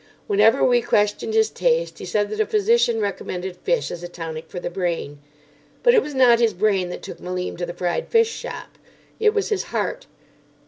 Whenever we questioned his taste he said that a physician recommended fish as a tonic for the brain. But it was not his brain that took Malim to the fried fish shop. It was his heart.